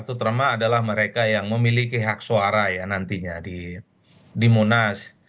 terutama adalah mereka yang memiliki hak suara ya nantinya di munas